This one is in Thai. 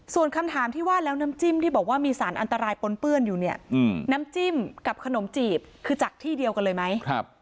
ส่วนคำถามที่ว่าแล้วน้ำจิ้มที่บอกว่ามีสารอันตรายปนเปื้อนอยู่เนี่ยน้ำจิ้มกับขนมจีบคือจากที่เดียวกันเลยไหม